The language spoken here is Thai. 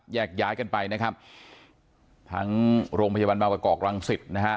แยกย้ายกันไปนะครับทั้งโรงพยาบาลบางประกอบรังสิตนะฮะ